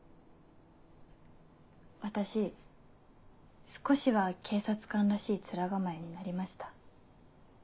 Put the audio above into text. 私少しは警察官らしい面構えになりました？